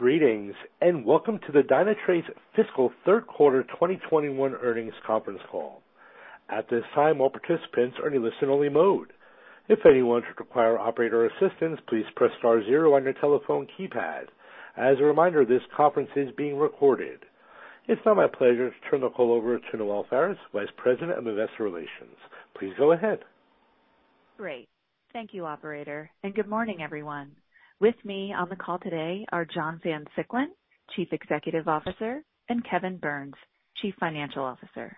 Greetings, and welcome to the Dynatrace Fiscal Third Quarter 2021 Earnings Conference Call. At this time all participants are on listen only mode, if anyone requires operator assistance please press star zero on your telephone keypad. Reminders that this conference is being recorded. It's now my pleasure to turn the call over to Noelle Faris, Vice President of Investor Relations. Please go ahead. Great. Thank you, operator, and good morning, everyone. With me on the call today are John Van Siclen, Chief Executive Officer, and Kevin Burns, Chief Financial Officer.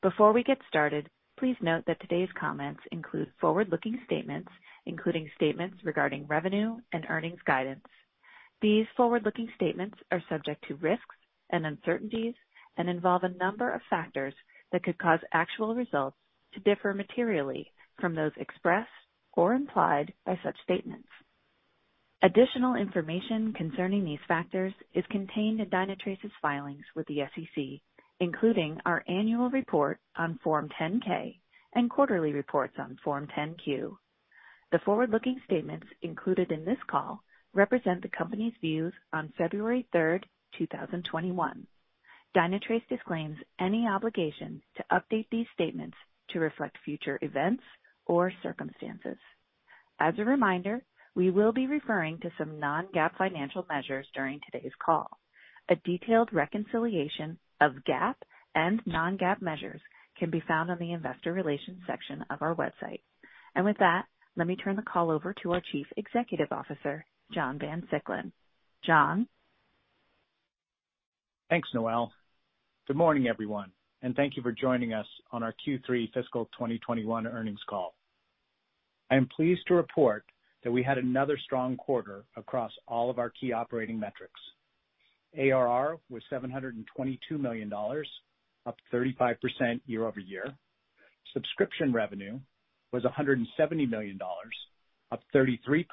Before we get started, please note that today's comments include forward-looking statements, including statements regarding revenue and earnings guidance. These forward-looking statements are subject to risks and uncertainties and involve a number of factors that could cause actual results to differ materially from those expressed or implied by such statements. Additional information concerning these factors is contained in Dynatrace's filings with the SEC, including our annual report on Form 10-K and quarterly reports on Form 10-Q. The forward-looking statements included in this call represent the company's views on February 3rd, 2021. Dynatrace disclaims any obligation to update these statements to reflect future events or circumstances. As a reminder, we will be referring to some non-GAAP financial measures during today's call. A detailed reconciliation of GAAP and non-GAAP measures can be found on the investor relations section of our website. With that, let me turn the call over to our Chief Executive Officer, John Van Siclen. John? Thanks, Noelle. Good morning, everyone. Thank you for joining us on our Q3 FY 2021 Earnings Call. I am pleased to report that we had another strong quarter across all of our key operating metrics. ARR was $722 million, up 35% year-over-year. Subscription revenue was $170 million, up 33%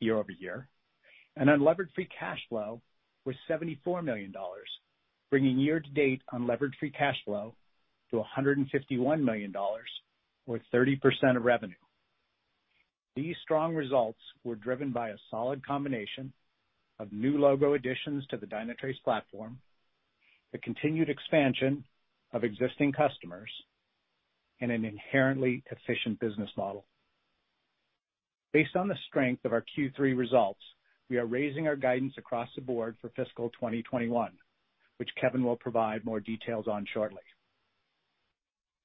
year-over-year. Unlevered free cash flow was $74 million, bringing year-to-date unlevered free cash flow to $151 million, or 30% of revenue. These strong results were driven by a solid combination of new logo additions to the Dynatrace platform, the continued expansion of existing customers, and an inherently efficient business model. Based on the strength of our Q3 results, we are raising our guidance across the board for FY 2021, which Kevin will provide more details on shortly.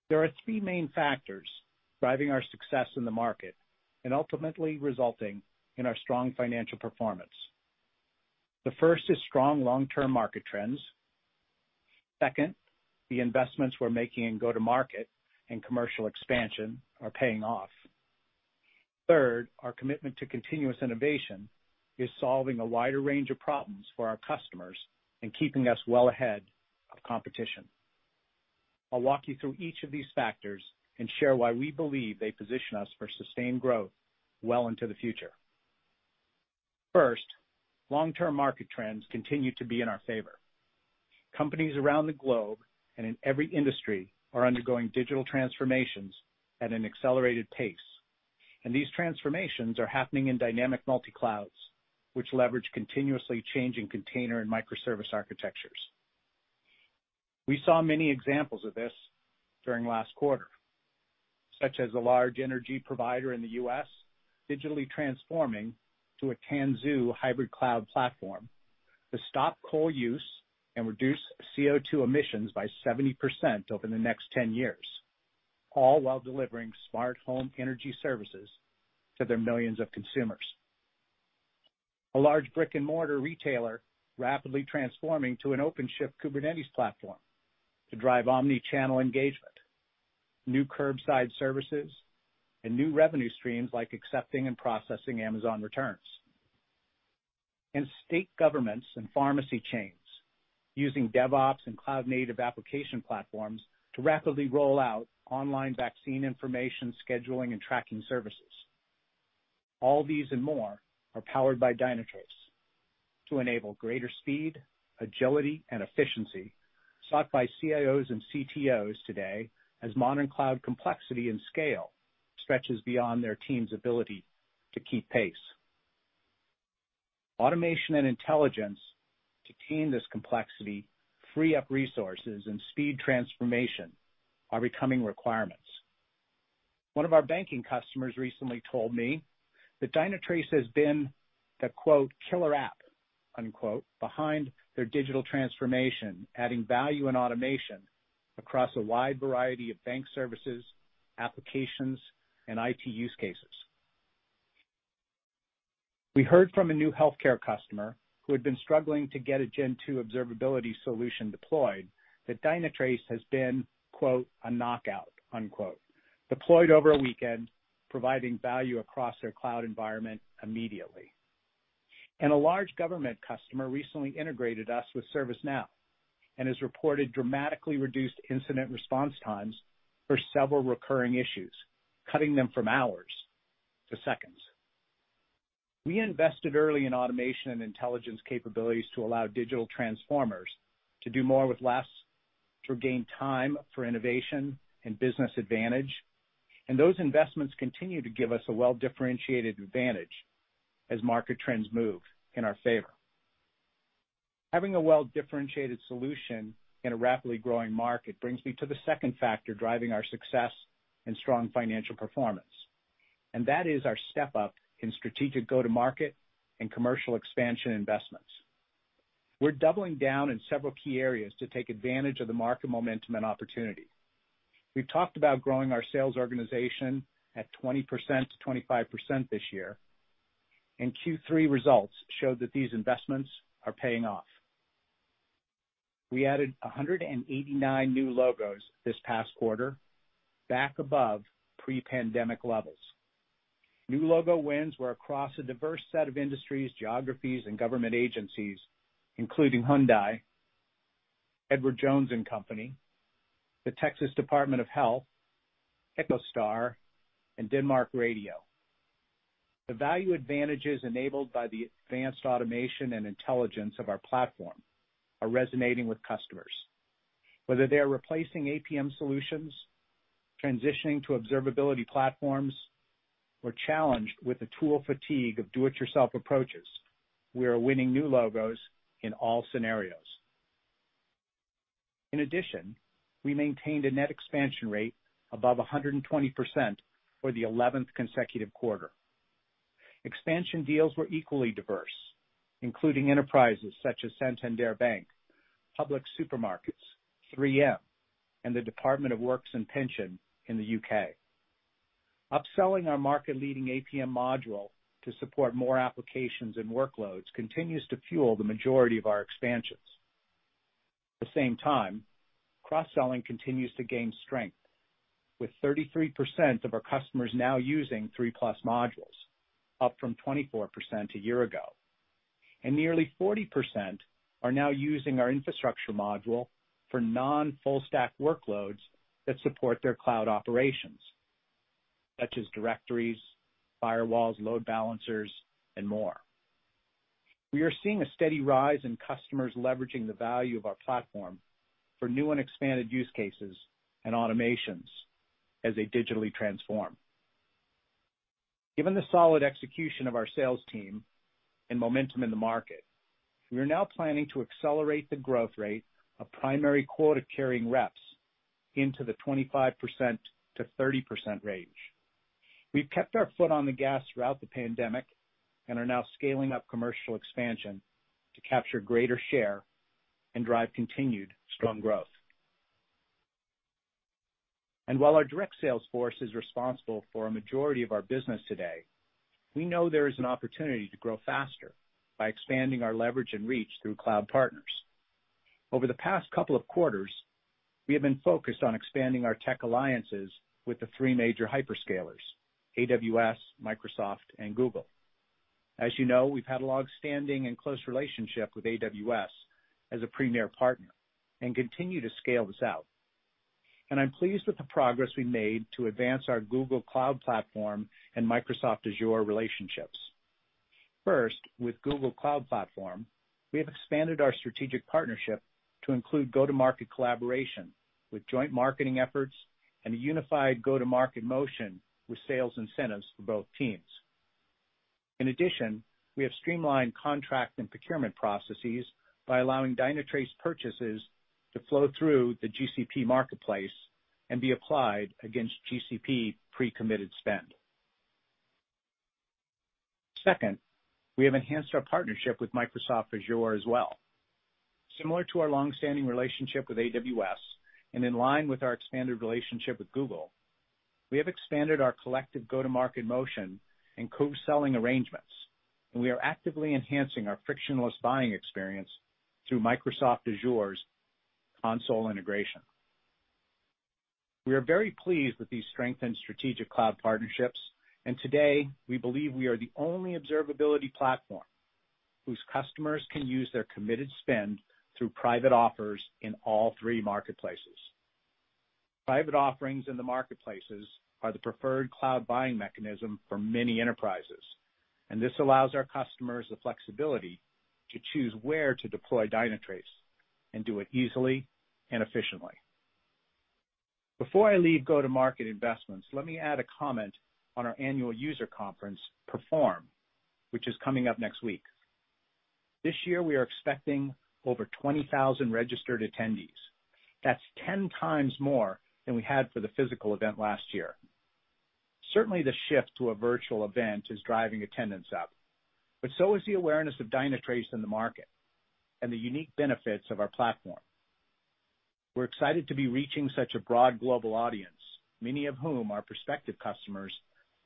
There are three main factors driving our success in the market and ultimately resulting in our strong financial performance. The first is strong long-term market trends. Second, the investments we're making in go-to-market and commercial expansion are paying off. Third, our commitment to continuous innovation is solving a wider range of problems for our customers and keeping us well ahead of competition. I'll walk you through each of these factors and share why we believe they position us for sustained growth well into the future. First, long-term market trends continue to be in our favor. Companies around the globe and in every industry are undergoing digital transformations at an accelerated pace. These transformations are happening in dynamic multi-clouds, which leverage continuously changing container and microservice architectures. We saw many examples of this during last quarter, such as a large energy provider in the U.S. digitally transforming to a Tanzu hybrid cloud platform to stop coal use and reduce CO2 emissions by 70% over the next 10 years, all while delivering smart home energy services to their millions of consumers. A large brick-and-mortar retailer rapidly transforming to an OpenShift Kubernetes platform to drive omni-channel engagement, new curbside services, and new revenue streams like accepting and processing Amazon returns. State governments and pharmacy chains using DevOps and Cloud-Native Application platforms to rapidly roll out online vaccine information, scheduling, and tracking services. All these and more are powered by Dynatrace to enable greater speed, agility, and efficiency sought by CIOs and CTOs today as modern cloud complexity and scale stretches beyond their team's ability to keep pace. Automation and intelligence to tame this complexity, free up resources, and speed transformation are becoming requirements. One of our banking customers recently told me that Dynatrace has been the, quote, "killer app," unquote, behind their digital transformation, adding value and automation across a wide variety of bank services, applications, and IT use cases. We heard from a new healthcare customer who had been struggling to get a Gen 2 Observability solution deployed that Dynatrace has been, quote, "a knockout," unquote, deployed over a weekend, providing value across their cloud environment immediately. A large government customer recently integrated us with ServiceNow and has reported dramatically reduced incident response times for several recurring issues, cutting them from hours to seconds. We invested early in automation and intelligence capabilities to allow digital transformers to do more with less. To gain time for innovation and business advantage. Those investments continue to give us a well-differentiated advantage as market trends move in our favor. Having a well-differentiated solution in a rapidly growing market brings me to the second factor driving our success and strong financial performance, and that is our step up in strategic go-to-market and commercial expansion investments. We're doubling down in several key areas to take advantage of the market momentum and opportunity. We've talked about growing our sales organization at 20%-25% this year, Q3 results show that these investments are paying off. We added 189 new logos this past quarter, back above pre-pandemic levels. New logo wins were across a diverse set of industries, geographies, and government agencies, including Hyundai, Edward Jones & Company, the Texas Department of Health, EchoStar, and Danmarks Radio. The value advantages enabled by the advanced automation and intelligence of our platform are resonating with customers. Whether they are replacing APM solutions, transitioning to observability platforms, or challenged with the tool fatigue of do-it-yourself approaches, we are winning new logos in all scenarios. In addition, we maintained a net expansion rate above 120% for the 11th consecutive quarter. Expansion deals were equally diverse, including enterprises such as Santander Bank, Publix Super Markets, 3M, and the Department for Work and Pensions in the U.K. Upselling our market-leading APM module to support more applications and workloads continues to fuel the majority of our expansions. At the same time, cross-selling continues to gain strength, with 33% of our customers now using three-plus modules, up from 24% a year ago. Nearly 40% are now using our infrastructure module for non-full stack workloads that support their cloud operations, such as directories, firewalls, load balancers, and more. We are seeing a steady rise in customers leveraging the value of our platform for new and expanded use cases and automations as they digitally transform. Given the solid execution of our sales team and momentum in the market, we are now planning to accelerate the growth rate of primary quota-carrying reps into the 25%-30% range. We've kept our foot on the gas throughout the pandemic and are now scaling up commercial expansion to capture greater share and drive continued strong growth. While our direct sales force is responsible for a majority of our business today, we know there is an opportunity to grow faster by expanding our leverage and reach through cloud partners. Over the past couple of quarters, we have been focused on expanding our tech alliances with the three major hyperscalers, AWS, Microsoft, and Google. As you know, we've had a longstanding and close relationship with AWS as a premier partner and continue to scale this out. I'm pleased with the progress we made to advance our Google Cloud Platform and Microsoft Azure relationships. First, with Google Cloud Platform, we have expanded our strategic partnership to include go-to-market collaboration with joint marketing efforts and a unified go-to-market motion with sales incentives for both teams. In addition, we have streamlined contract and procurement processes by allowing Dynatrace purchases to flow through the GCP marketplace and be applied against GCP pre-committed spend. Second, we have enhanced our partnership with Microsoft Azure as well. Similar to our longstanding relationship with AWS, and in line with our expanded relationship with Google, we have expanded our collective go-to-market motion and co-selling arrangements, and we are actively enhancing our frictionless buying experience through Microsoft Azure's console integration. We are very pleased with these strengthened strategic cloud partnerships. Today, we believe we are the only observability platform whose customers can use their committed spend through private offers in all three marketplaces. Private offerings in the marketplaces are the preferred cloud buying mechanism for many enterprises. This allows our customers the flexibility to choose where to deploy Dynatrace and do it easily and efficiently. Before I leave go-to-market investments, let me add a comment on our annual user conference, Perform, which is coming up next week. This year, we are expecting over 20,000 registered attendees. That's 10x more than we had for the physical event last year. Certainly, the shift to a virtual event is driving attendance up. So is the awareness of Dynatrace in the market and the unique benefits of our platform. We're excited to be reaching such a broad global audience, many of whom are prospective customers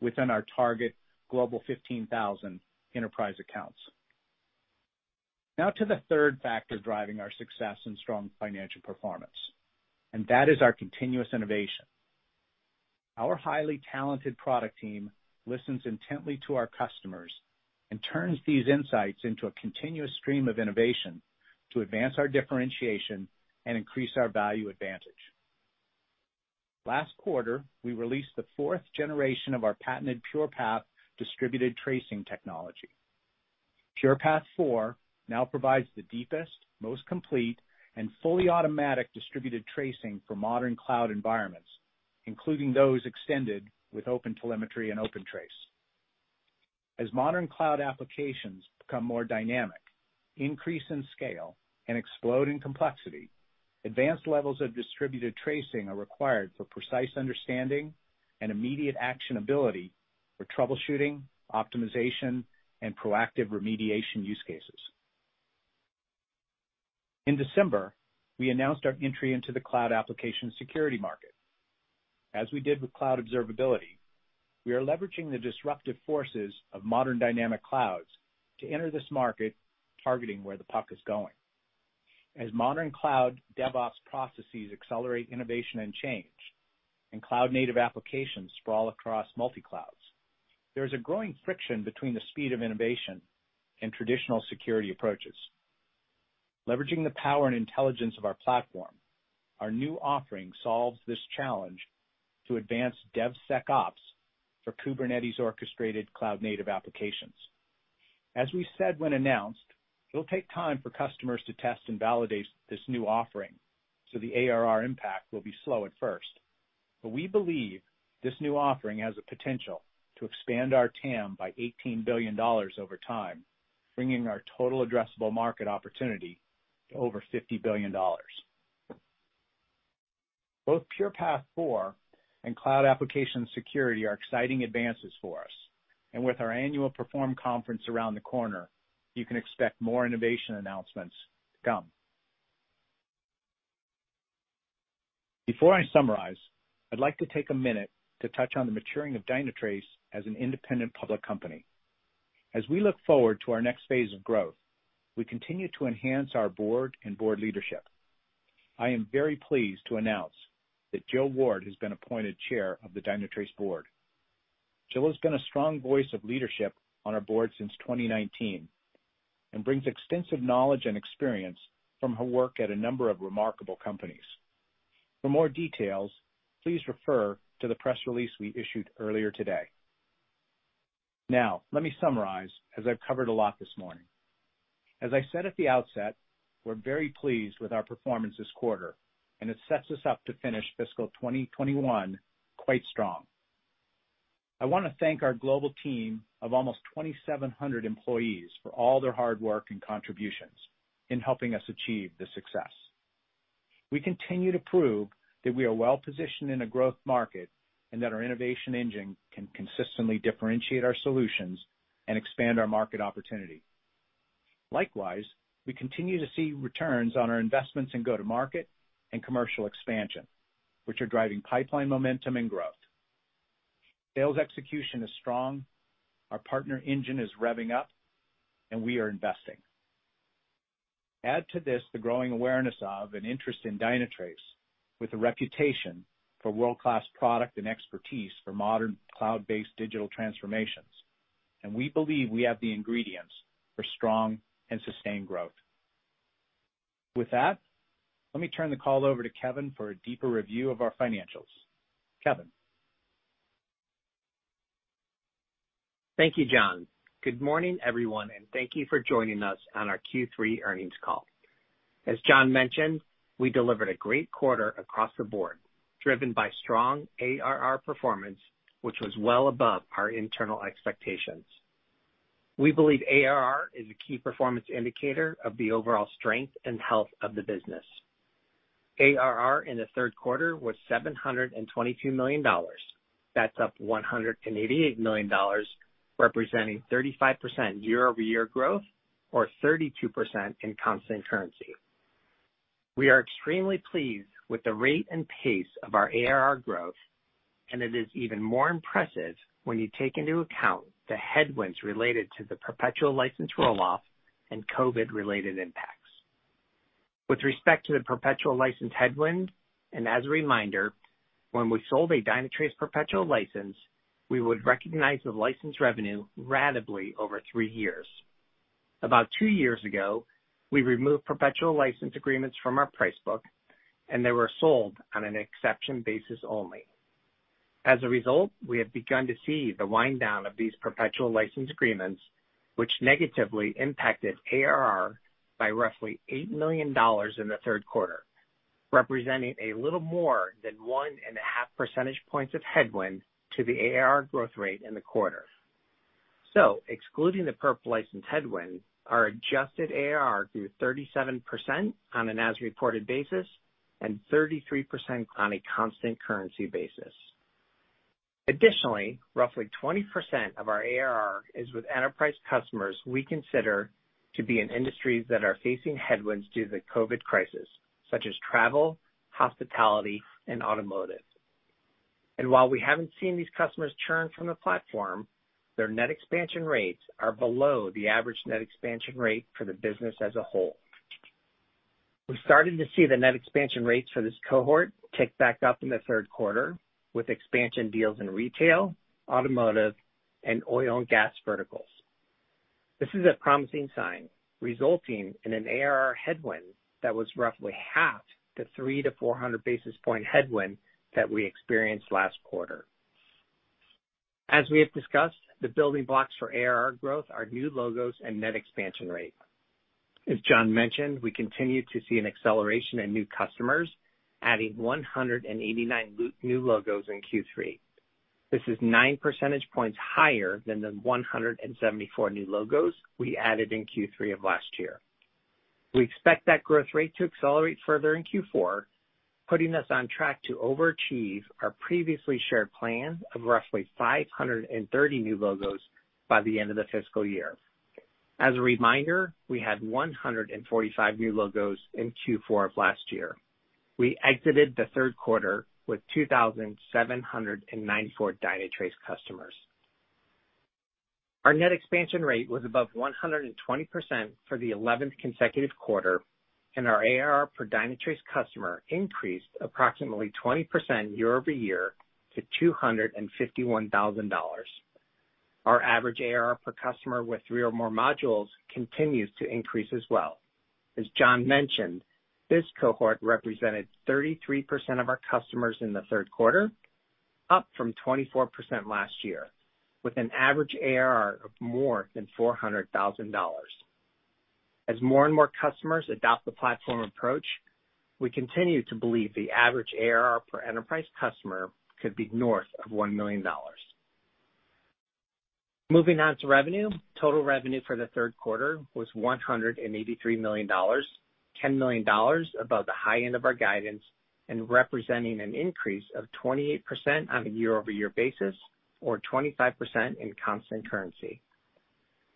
within our target global 15,000 enterprise accounts. That is our continuous innovation. Our highly talented product team listens intently to our customers and turns these insights into a continuous stream of innovation to advance our differentiation and increase our value advantage. Last quarter, we released the fourth generation of our patented PurePath distributed tracing technology. PurePath 4 now provides the deepest, most complete, and fully automatic distributed tracing for modern cloud environments, including those extended with OpenTelemetry and OpenTracing. As modern cloud applications become more dynamic, increase in scale, and explode in complexity, advanced levels of distributed tracing are required for precise understanding and immediate actionability for troubleshooting, optimization, and proactive remediation use cases. In December, we announced our entry into the cloud application security market. As we did with cloud observability, we are leveraging the disruptive forces of modern dynamic clouds to enter this market, targeting where the puck is going. As modern Cloud DevOps processes accelerate innovation and change, and Cloud-Native Applications sprawl across multi-clouds, there is a growing friction between the speed of innovation and traditional security approaches. Leveraging the power and intelligence of our platform, our new offering solves this challenge to advance DevSecOps for Kubernetes-orchestrated Cloud-Native applications. As we said when announced, it'll take time for customers to test and validate this new offering, so the ARR impact will be slow at first. We believe this new offering has the potential to expand our TAM by $18 billion over time, bringing our total addressable market opportunity to over $50 billion. Both PurePath 4 and cloud application security are exciting advances for us. With our annual Perform conference around the corner, you can expect more innovation announcements to come. Before I summarize, I'd like to take a minute to touch on the maturing of Dynatrace as an independent public company. As we look forward to our next phase of growth, we continue to enhance our board and board leadership. I am very pleased to announce that Jill Ward has been appointed chair of the Dynatrace board. Jill has been a strong voice of leadership on our board since 2019 and brings extensive knowledge and experience from her work at a number of remarkable companies. For more details, please refer to the press release we issued earlier today. Let me summarize, as I've covered a lot this morning. As I said at the outset, we're very pleased with our performance this quarter, and it sets us up to finish FY 2021 quite strong. I want to thank our global team of almost 2,700 employees for all their hard work and contributions in helping us achieve this success. We continue to prove that we are well-positioned in a growth market, and that our innovation engine can consistently differentiate our solutions and expand our market opportunity. Likewise, we continue to see returns on our investments in go-to-market and commercial expansion, which are driving pipeline momentum and growth. Sales execution is strong, our partner engine is revving up, and we are investing. Add to this the growing awareness of and interest in Dynatrace, with a reputation for world-class product and expertise for modern cloud-based digital transformations, and we believe we have the ingredients for strong and sustained growth. With that, let me turn the call over to Kevin for a deeper review of our financials. Kevin? Thank you, John. Good morning, everyone. Thank you for joining us on our Q3 earnings call. As John mentioned, we delivered a great quarter across the board, driven by strong ARR performance, which was well above our internal expectations. We believe ARR is a key performance indicator of the overall strength and health of the business. ARR in the third quarter was $722 million. That's up $188 million, representing 35% year-over-year growth, or 32% in constant currency. We are extremely pleased with the rate and pace of our ARR growth. It is even more impressive when you take into account the headwinds related to the perpetual license roll-off and COVID-related impacts. With respect to the perpetual license headwind, as a reminder, when we sold a Dynatrace perpetual license, we would recognize the license revenue ratably over three years. About two years ago, we removed perpetual license agreements from our price book, and they were sold on an exception basis only. As a result, we have begun to see the wind-down of these perpetual license agreements, which negatively impacted ARR by roughly $8 million in the third quarter, representing a little more than 1.5 percentage points of headwind to the ARR growth rate in the quarter. Excluding the perp license headwind, our adjusted ARR grew 37% on an as-reported basis and 33% on a constant currency basis. Additionally, roughly 20% of our ARR is with enterprise customers we consider to be in industries that are facing headwinds due to the COVID crisis, such as travel, hospitality, and automotive. While we haven't seen these customers churn from the platform, their net expansion rates are below the average net expansion rate for the business as a whole. We're starting to see the net expansion rates for this cohort tick back up in the third quarter, with expansion deals in retail, automotive, and oil and gas verticals. This is a promising sign, resulting in an ARR headwind that was roughly half the 300 to 400 basis point headwind that we experienced last quarter. As we have discussed, the building blocks for ARR growth are new logos and net expansion rate. As John mentioned, we continue to see an acceleration in new customers, adding 189 new logos in Q3. This is nine percentage points higher than the 174 new logos we added in Q3 of last year. We expect that growth rate to accelerate further in Q4, putting us on track to overachieve our previously shared plan of roughly 530 new logos by the end of the fiscal year. As a reminder, we had 145 new logos in Q4 of last year. We exited the third quarter with 2,794 Dynatrace customers. Our net expansion rate was above 120% for the 11th consecutive quarter, and our ARR per Dynatrace customer increased approximately 20% year-over-year to $251,000. Our average ARR per customer with three or more modules continues to increase as well. As John mentioned, this cohort represented 33% of our customers in the third quarter, up from 24% last year, with an average ARR of more than $400,000. As more and more customers adopt the platform approach, we continue to believe the average ARR per enterprise customer could be north of one million dollars. Moving on to revenue. Total revenue for the third quarter was $183 million, $10 million above the high end of our guidance, and representing an increase of 28% on a year-over-year basis, or 25% in constant currency.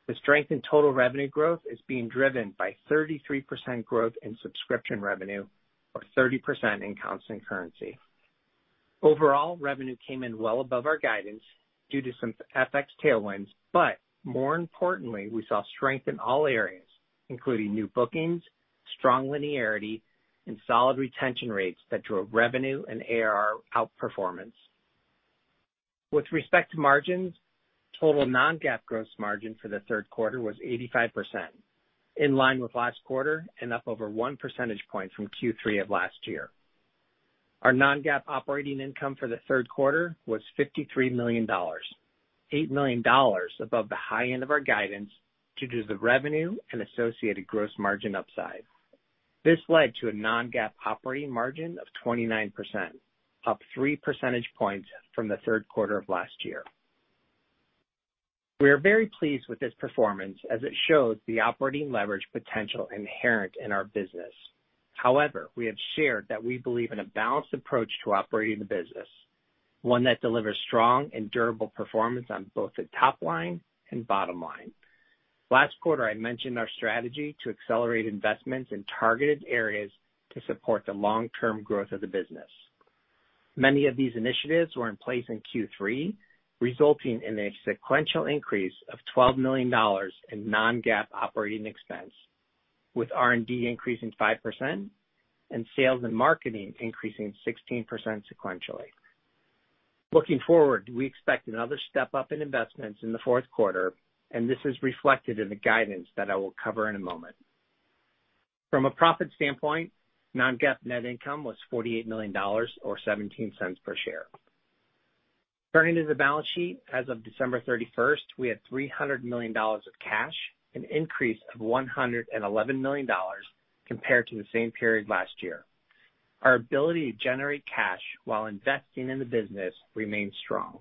The strength in total revenue growth is being driven by 33% growth in subscription revenue, or 30% in constant currency. Overall, revenue came in well above our guidance due to some FX tailwinds, but more importantly, we saw strength in all areas, including new bookings, strong linearity, and solid retention rates that drove revenue and ARR outperformance. With respect to margins, total non-GAAP gross margin for the third quarter was 85%, in line with last quarter, and up over one percentage point from Q3 of last year. Our non-GAAP operating income for the third quarter was $53 million, $8 million above the high end of our guidance due to the revenue and associated gross margin upside. This led to a non-GAAP operating margin of 29%, up three percentage points from the third quarter of last year. We are very pleased with this performance, as it shows the operating leverage potential inherent in our business. However, we have shared that we believe in a balanced approach to operating the business, one that delivers strong and durable performance on both the top line and bottom line. Last quarter, I mentioned our strategy to accelerate investments in targeted areas to support the long-term growth of the business. Many of these initiatives were in place in Q3, resulting in a sequential increase of $12 million in non-GAAP operating expense, with R&D increasing 5% and sales and marketing increasing 16% sequentially. Looking forward, we expect another step up in investments in the fourth quarter, and this is reflected in the guidance that I will cover in a moment. From a profit standpoint, non-GAAP net income was $48 million, or $0.17 per share. Turning to the balance sheet, as of December 31st, we had $300 million of cash, an increase of $111 million compared to the same period last year. Our ability to generate cash while investing in the business remains strong.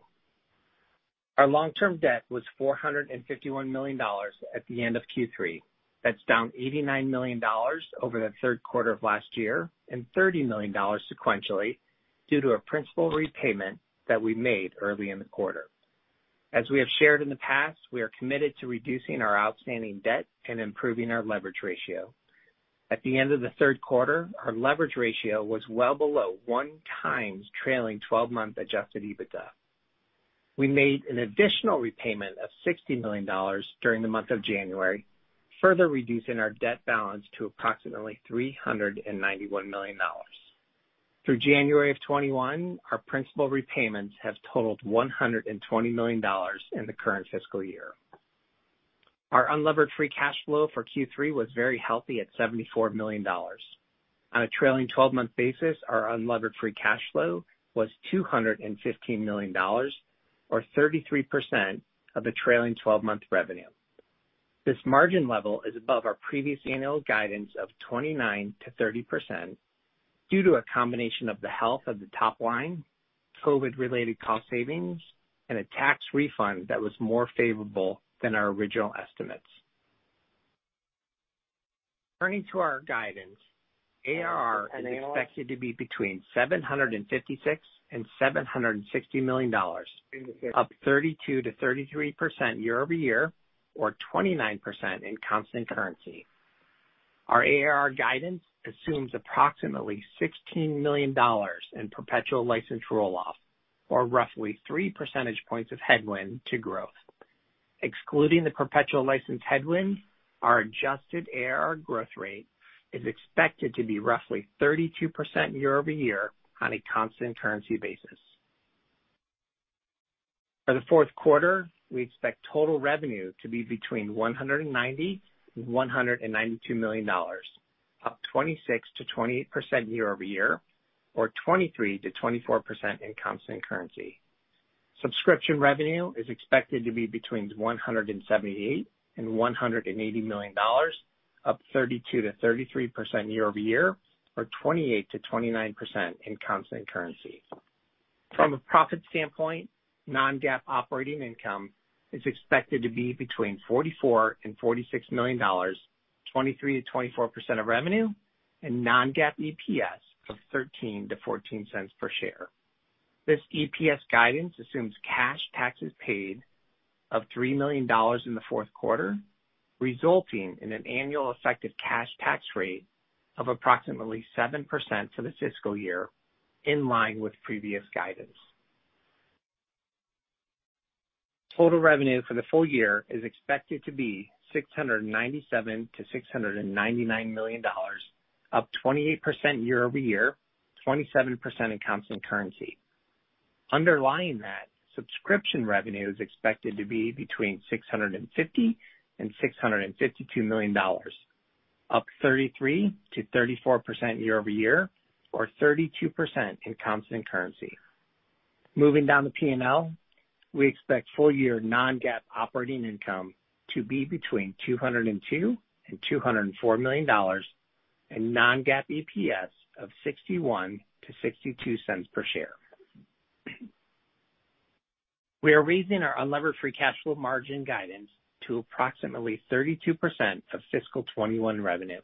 Our long-term debt was $451 million at the end of Q3. That's down $89 million over the third quarter of last year, and $30 million sequentially due to a principal repayment that we made early in the quarter. As we have shared in the past, we are committed to reducing our outstanding debt and improving our leverage ratio. At the end of the third quarter, our leverage ratio was well below one times trailing 12-month adjusted EBITDA. We made an additional repayment of $60 million during the month of January, further reducing our debt balance to approximately $391 million. Through January of 2021, our principal repayments have totaled $120 million in the current fiscal year. Our unlevered free cash flow for Q3 was very healthy at $74 million. On a trailing 12-month basis, our unlevered free cash flow was $215 million, or 33% of the trailing 12-month revenue. This margin level is above our previous annual guidance of 29%-30% due to a combination of the health of the top line, COVID-related cost savings, and a tax refund that was more favorable than our original estimates. Turning to our guidance, ARR is expected to be between $756 million and $760 million, up 32%-33% year-over-year, or 29% in constant currency. Our ARR guidance assumes approximately $16 million in perpetual license roll-off, or roughly three percentage points of headwind to growth. Excluding the perpetual license headwind, our adjusted ARR growth rate is expected to be roughly 32% year-over-year on a constant currency basis. For the fourth quarter, we expect total revenue to be between $190 million and $192 million, up 26%-28% year-over-year, or 23%-24% in constant currency. Subscription revenue is expected to be between $178 million and $180 million, up 32%-33% year-over-year, or 28%-29% in constant currency. From a profit standpoint, non-GAAP operating income is expected to be between $44 million-$46 million, 23%-24% of revenue, and non-GAAP EPS of $0.13-$0.14 per share. This EPS guidance assumes cash taxes paid of $3 million in the fourth quarter, resulting in an annual effective cash tax rate of approximately 7% for the fiscal year, in line with previous guidance. Total revenue for the full year is expected to be $697 million-$699 million, up 28% year-over-year, 27% in constant currency. Underlying that, subscription revenue is expected to be between $650 million-$652 million, up 33%-34% year-over-year, or 32% in constant currency. Moving down the P&L, we expect full year non-GAAP operating income to be between $202 million-$204 million, and non-GAAP EPS of $0.61-$0.62 per share. We are raising our unlevered free cash flow margin guidance to approximately 32% of FY 2021 revenue.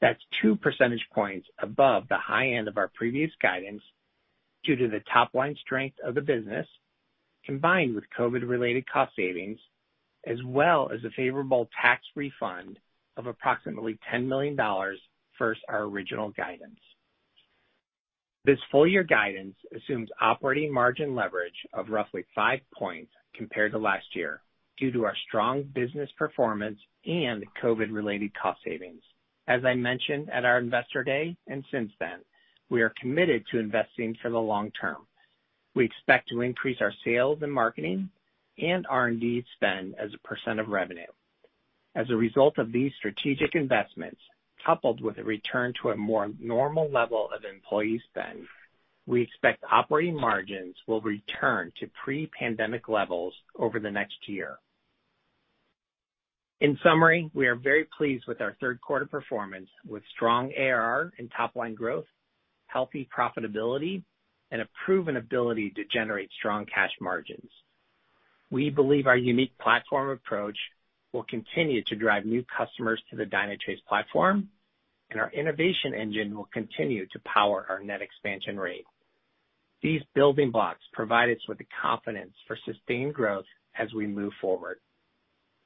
That's two percentage points above the high end of our previous guidance due to the top-line strength of the business, combined with COVID-related cost savings, as well as a favorable tax refund of approximately $10 million versus our original guidance. This full year guidance assumes operating margin leverage of roughly five points compared to last year due to our strong business performance and COVID-related cost savings. As I mentioned at our investor day and since then, we are committed to investing for the long term. We expect to increase our sales and marketing and R&D spend as a percentage of revenue. As a result of these strategic investments, coupled with a return to a more normal level of employee spend, we expect operating margins will return to pre-pandemic levels over the next year. In summary, we are very pleased with our third quarter performance, with strong ARR and top-line growth, healthy profitability, and a proven ability to generate strong cash margins. We believe our unique platform approach will continue to drive new customers to the Dynatrace platform, and our innovation engine will continue to power our net expansion rate. These building blocks provide us with the confidence for sustained growth as we move forward.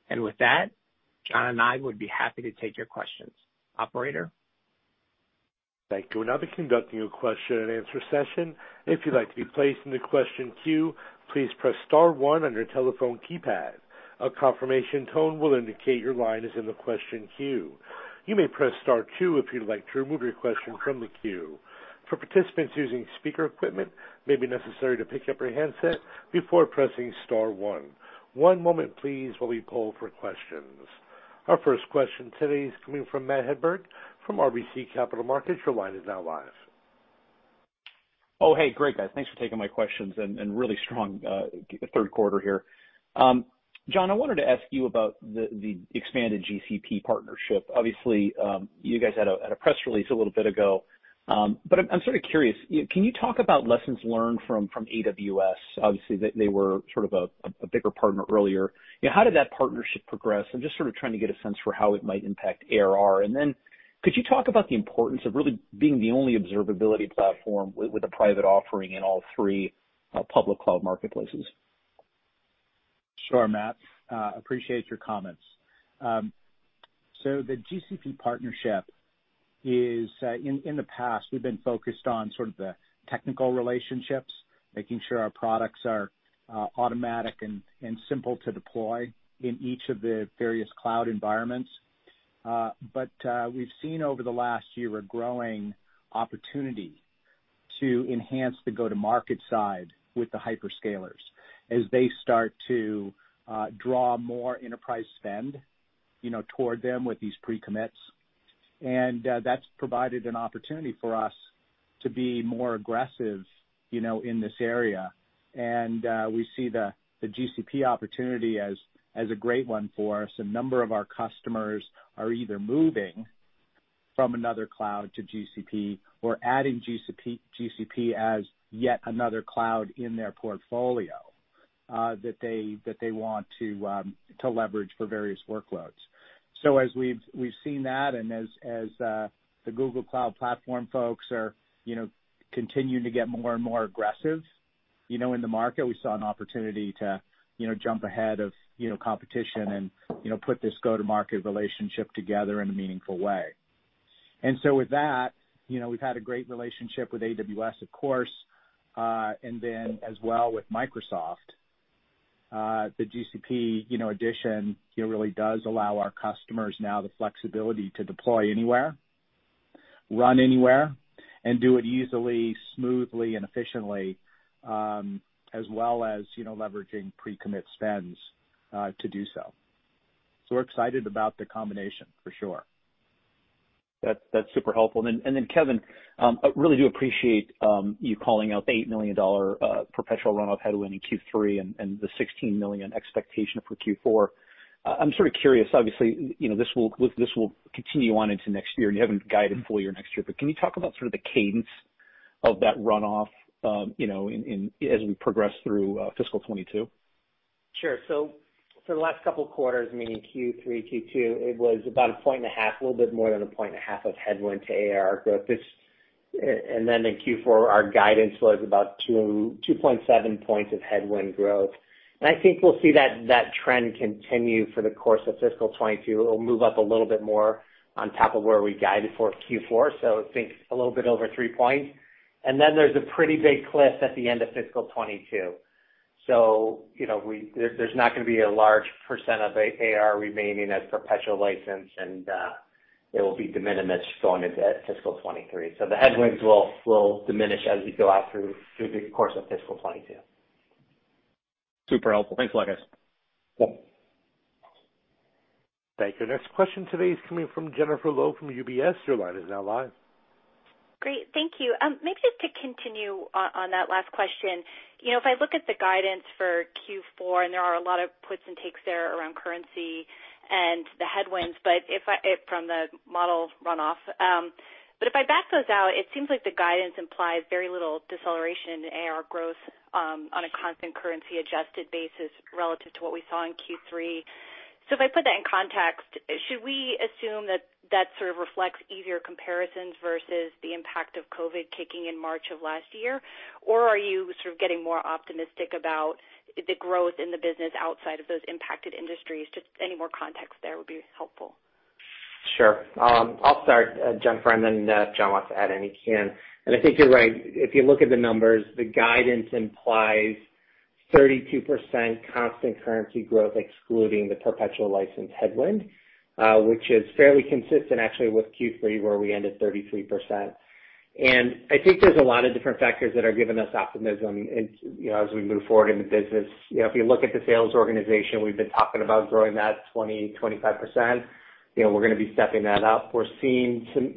With that, John and I would be happy to take your questions. Operator? Thank you. Lets conduct a question and answer session. If you'd like to be placed in the question queue, please press star one on your telephone keypad. A confirmation tone will indicate your line is in the question queue. You may press star two if you would like to removed your question from the queue. Participants using speaker equipment may be necessary to pick-up your handset before pressing star one. One moment please as we poll for questions. Our first question today is coming from Matt Hedberg from RBC Capital Markets. Your line is now live. Oh, hey. Great, guys. Thanks for taking my questions and really strong third quarter here. John, I wanted to ask you about the expanded GCP partnership. Obviously, you guys had a press release a little bit ago. I'm sort of curious, can you talk about lessons learned from AWS? Obviously, they were sort of a bigger partner earlier. How did that partnership progress? I'm just sort of trying to get a sense for how it might impact ARR. Could you talk about the importance of really being the only observability platform with a private offering in all three public cloud marketplaces? Sure, Matt. Appreciate your comments. The GCP partnership is, in the past, we've been focused on sort of the technical relationships, making sure our products are automatic and simple to deploy in each of the various cloud environments. We've seen over the last year a growing opportunity to enhance the go-to-market side with the hyperscalers as they start to draw more enterprise spend toward them with these pre-commits. That's provided an opportunity for us to be more aggressive in this area. We see the GCP opportunity as a great one for us. A number of our customers are either moving from another cloud to GCP or adding GCP as yet another cloud in their portfolio that they want to leverage for various workloads. As we've seen that and as the Google Cloud Platform folks are continuing to get more and more aggressive in the market, we saw an opportunity to jump ahead of competition and put this go-to-market relationship together in a meaningful way. With that, we've had a great relationship with AWS, of course, and then as well with Microsoft. The GCP addition really does allow our customers now the flexibility to deploy anywhere. Run anywhere and do it easily, smoothly, and efficiently, as well as leveraging pre-commit spends to do so. We're excited about the combination, for sure. That's super helpful. Kevin, I really do appreciate you calling out the $8 million perpetual runoff headwind in Q3 and the $16 million expectation for Q4. I'm sort of curious, obviously, this will continue on into next year, and you haven't guided full year next year, but can you talk about sort of the cadence of that runoff as we progress through FY 2022? Sure. For the last couple of quarters, meaning Q3, Q2, it was about 1.5 points, a little bit more than 1.5 points of headwind to ARR growth. In Q4, our guidance was about 2.7 points of headwind growth. I think we'll see that trend continue for the course of FY 2022. It'll move up a little bit more on top of where we guided for Q4, so I think a little bit over three points. There's a pretty big cliff at the end of FY 2022. There's not going to be a large percent of ARR remaining as perpetual license, and it will be de minimis going into FY 2023. The headwinds will diminish as we go out through the course of FY 2022. Super helpful. Thanks a lot, guys. Yeah. Thank you. Next question today is coming from Jennifer Lowe from UBS. Your line is now live. Great. Thank you. Maybe just to continue on that last question. If I look at the guidance for Q4, there are a lot of puts and takes there around currency and the headwinds from the model runoff. If I back those out, it seems like the guidance implies very little deceleration in ARR growth on a constant currency-adjusted basis relative to what we saw in Q3. If I put that in context, should we assume that sort of reflects easier comparisons versus the impact of COVID kicking in March of last year? Are you sort of getting more optimistic about the growth in the business outside of those impacted industries? Just any more context there would be helpful. Sure. I'll start, Jennifer, and then if John wants to add, and he can. I think you're right. If you look at the numbers, the guidance implies 32% constant currency growth excluding the perpetual license headwind, which is fairly consistent actually with Q3, where we ended 33%. I think there's a lot of different factors that are giving us optimism as we move forward in the business. If you look at the sales organization, we've been talking about growing that 20%-25%. We're going to be stepping that up. We're seeing some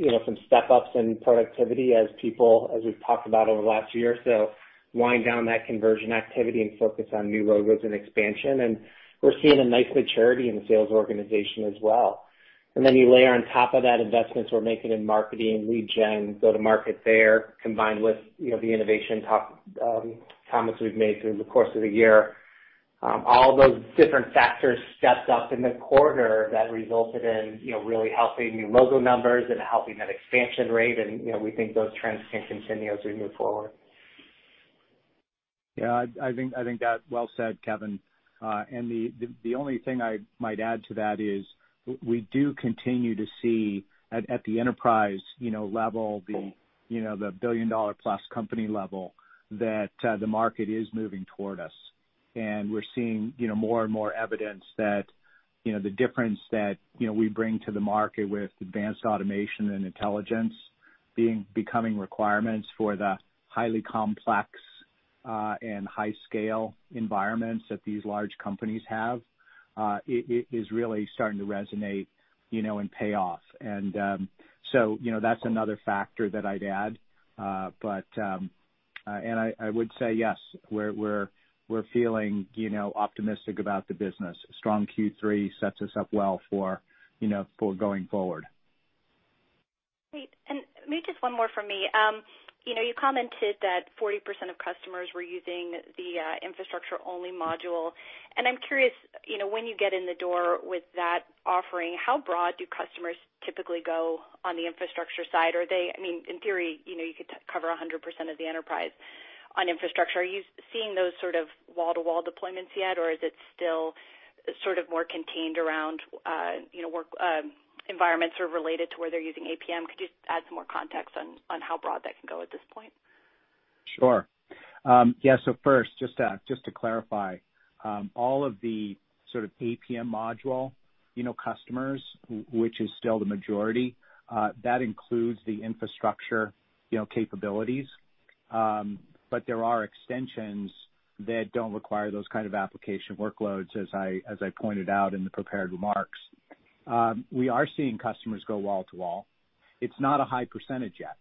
step-ups in productivity as people, as we've talked about over the last year or so, wind down that conversion activity and focus on new logos and expansion. We're seeing a nice maturity in the sales organization as well. Then you layer on top of that investments we're making in marketing, lead gen, go-to market there, combined with the innovation comments we've made through the course of the year. All those different factors stepped up in the quarter that resulted in really helping new logo numbers and helping that expansion rate. We think those trends can continue as we move forward. Yeah, I think that's well said, Kevin. The only thing I might add to that is we do continue to see at the enterprise level, the billion-dollar-plus company level, that the market is moving toward us. We're seeing more and more evidence that the difference that we bring to the market with advanced automation and intelligence becoming requirements for the highly complex and high scale environments that these large companies have, is really starting to resonate and pay off. That's another factor that I'd add. I would say yes, we're feeling optimistic about the business. Strong Q3 sets us up well for going forward. Great. Maybe just one more from me. You commented that 40% of customers were using the infrastructure-only module, and I'm curious, when you get in the door with that offering, how broad do customers typically go on the infrastructure side? In theory, you could cover 100% of the enterprise on infrastructure. Are you seeing those sort of wall-to-wall deployments yet, or is it still sort of more contained around work environments related to where they're using APM? Could you just add some more context on how broad that can go at this point? First, just to clarify, all of the sort of APM module customers, which is still the majority, that includes the infrastructure capabilities. There are extensions that don't require those kind of application workloads, as I pointed out in the prepared remarks. We are seeing customers go wall to wall. It's not a high percentage yet.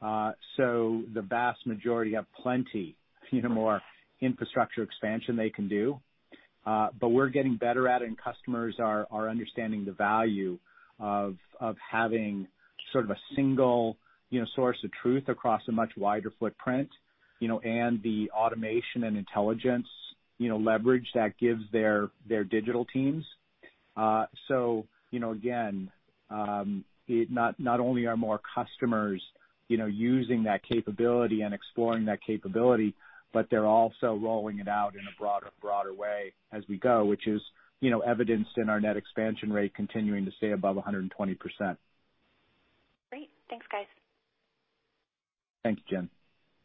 The vast majority have plenty more infrastructure expansion they can do. We're getting better at it, and customers are understanding the value of having sort of a single source of truth across a much wider footprint, and the automation and intelligence leverage that gives their digital teams. Again, not only are more customers using that capability and exploring that capability, but they're also rolling it out in a broader way as we go, which is evidenced in our net expansion rate continuing to stay above 120%. Great. Thanks, guys. Thanks, Jen.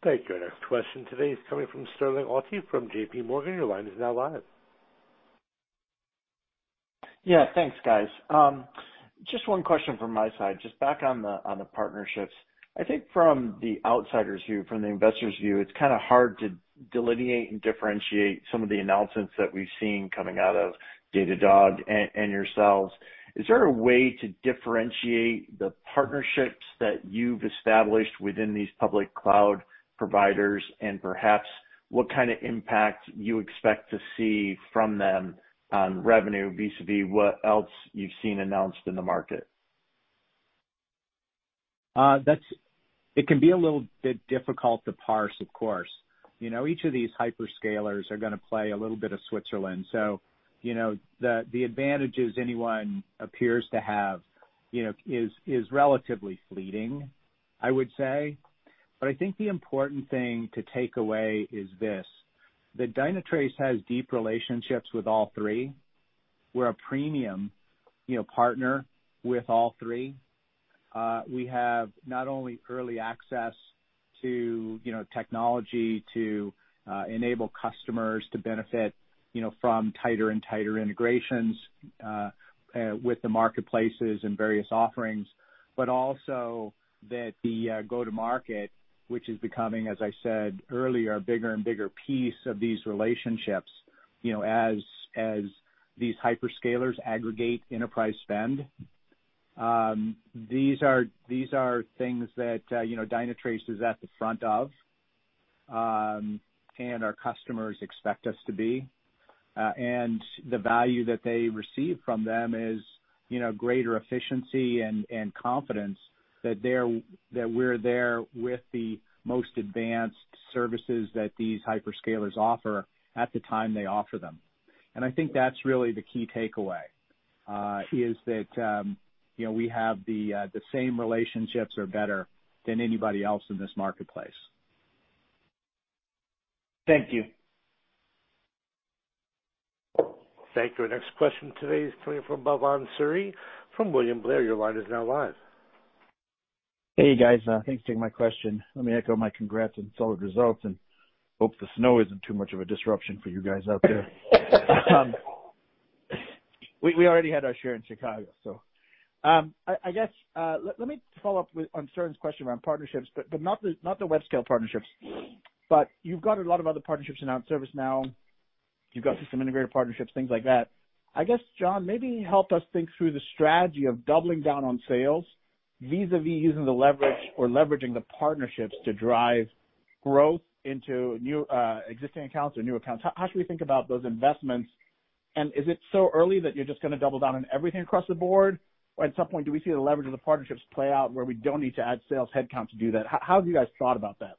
Thank you. Our next question today is coming from Sterling Auty from J.P. Morgan. Your line is now live. Yeah. Thanks, guys. One question from my side, just back on the partnerships. I think from the outsider's view, from the investor's view, it's kind of hard to delineate and differentiate some of the announcements that we've seen coming out of Datadog and yourselves. Is there a way to differentiate the partnerships that you've established within these public cloud providers, and perhaps what kind of impact you expect to see from them on revenue vis-a-vis what else you've seen announced in the market? It can be a little bit difficult to parse, of course. Each of these hyperscalers are going to play a little bit of Switzerland. The advantages anyone appears to have is relatively fleeting, I would say. I think the important thing to take away is this, that Dynatrace has deep relationships with all three. We're a premium partner with all three. We have not only early access to technology to enable customers to benefit from tighter and tighter integrations with the marketplaces and various offerings, but also that the go-to-market, which is becoming, as I said earlier, a bigger and bigger piece of these relationships, as these hyperscalers aggregate enterprise spend. These are things that Dynatrace is at the front of, and our customers expect us to be. The value that they receive from them is greater efficiency and confidence that we're there with the most advanced services that these hyperscalers offer at the time they offer them. I think that's really the key takeaway is that we have the same relationships or better than anybody else in this marketplace. Thank you. Thank you. Our next question today is coming from Bhavan Suri from William Blair. Your line is now live. Hey, guys. Thanks for taking my question. Let me echo my congrats on the solid results, and hope the snow isn't too much of a disruption for you guys out there. We already had our share in Chicago. I guess, let me follow up on Stern's question around partnerships, but not the web-scale partnerships. You've got a lot of other partnerships announced, ServiceNow, you've got system integrator partnerships, things like that. I guess, John, maybe help us think through the strategy of doubling down on sales vis-a-vis using the leverage or leveraging the partnerships to drive growth into existing accounts or new accounts. How should we think about those investments? Is it so early that you're just going to double down on everything across the board? At some point, do we see the leverage of the partnerships play out where we don't need to add sales headcount to do that? How have you guys thought about that?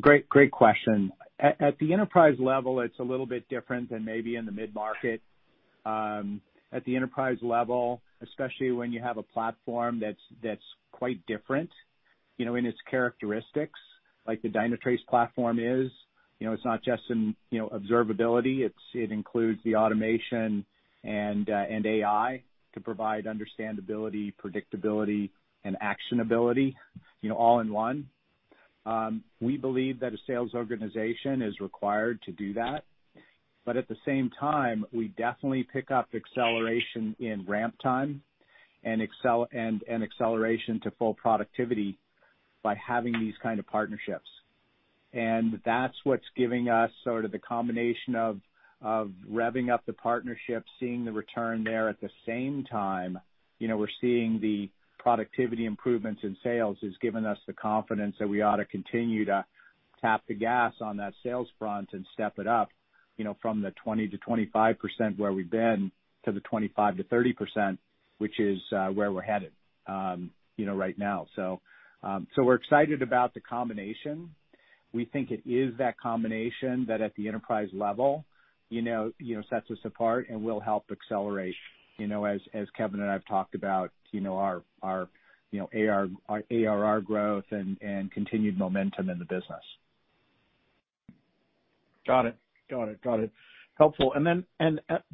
Great question. At the enterprise level, it's a little bit different than maybe in the mid-market. At the enterprise level, especially when you have a platform that's quite different in its characteristics, like the Dynatrace platform is. It's not just in observability. It includes the automation and AI to provide understandability, predictability, and actionability, all in one. We believe that a sales organization is required to do that. At the same time, we definitely pick up acceleration in ramp time and acceleration to full productivity by having these kind of partnerships. That's what's giving us sort of the combination of revving up the partnership, seeing the return there. At the same time, we're seeing the productivity improvements in sales has given us the confidence that we ought to continue to tap the gas on that sales front and step it up from the 20%-25% where we've been, to the 25%-30%, which is where we're headed right now. We're excited about the combination. We think it is that combination that at the enterprise level sets us apart and will help accelerate, as Kevin and I have talked about, our ARR growth and continued momentum in the business. Got it. Helpful.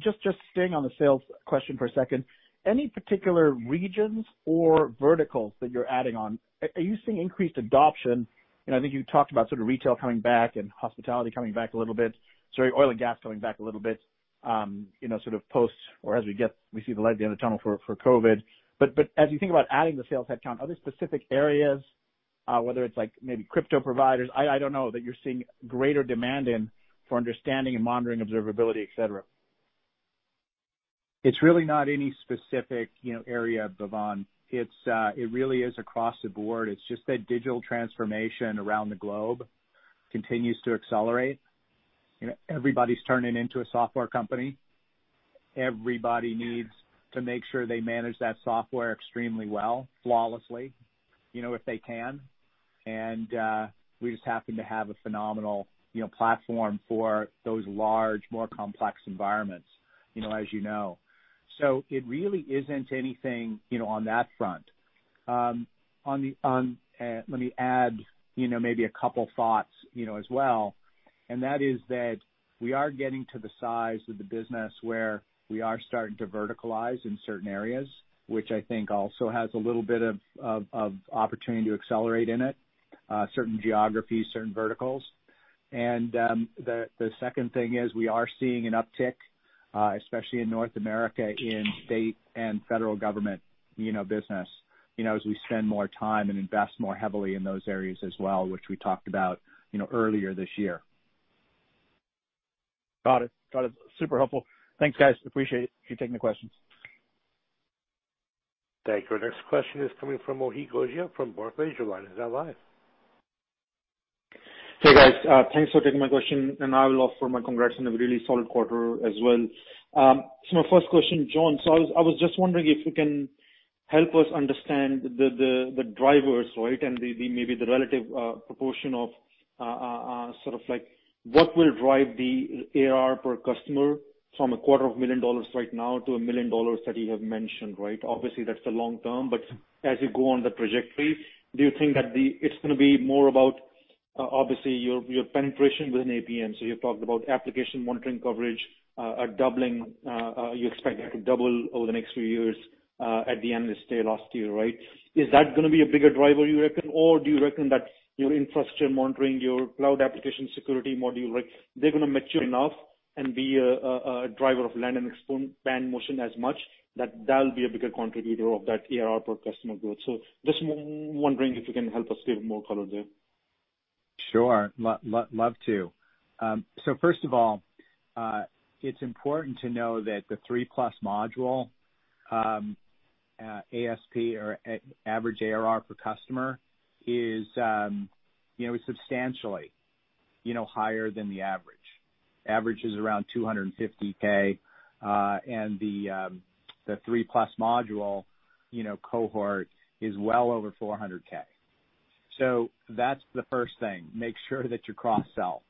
Just staying on the sales question for a second, any particular regions or verticals that you're adding on? Are you seeing increased adoption? I think you talked about sort of retail coming back and hospitality coming back a little bit. Sorry, oil and gas coming back a little bit, sort of post or as we see the light at the end of tunnel for COVID. As you think about adding the sales headcount, are there specific areas, whether it's like maybe crypto providers, I don't know, that you're seeing greater demand in for understanding and monitoring observability, et cetera? It's really not any specific area, Bhavan. It really is across the board. It's just that digital transformation around the globe continues to accelerate. Everybody's turning into a software company. Everybody needs to make sure they manage that software extremely well, flawlessly, if they can. We just happen to have a phenomenal platform for those large, more complex environments as you know. It really isn't anything on that front. Let me add maybe a couple of thoughts as well, and that is that we are getting to the size of the business where we are starting to verticalize in certain areas, which I think also has a little bit of opportunity to accelerate in it, certain geographies, certain verticals. The second thing is we are seeing an uptick, especially in North America, in state and federal government business as we spend more time and invest more heavily in those areas as well, which we talked about earlier this year. Got it. Super helpful. Thanks, guys. Appreciate you taking the questions. Thank you. Our next question is coming from Mohit Gogia from Barclays. Your line is now live. Hey guys. Thanks for taking my question, and I will offer my congrats on a really solid quarter as well. My first question, John. I was just wondering if you can help us understand the drivers and maybe the relative proportion of what will drive the ARR per customer from a quarter of a million dollars right now to $1 million that you have mentioned. Obviously, that's the long term, but as you go on the trajectory, do you think that it's going to be more about, obviously, your penetration with an APM? You've talked about application monitoring coverage doubling. You expect it to double over the next few years at the end of this last year, right? Is that going to be a bigger driver, you reckon, or do you reckon that your infrastructure monitoring, your cloud application security module, they're going to mature enough and be a driver of land and expand motion as much that that'll be a bigger contributor of that ARR per customer growth? Just wondering if you can help us give more color there. Sure. Love to. First of all, it's important to know that the three-plus module, ASP or average ARR per customer is substantially higher than the average. Average is around $250,000, and the three-plus module cohort is well over $400,000. That's the first thing, make sure that you cross-sell.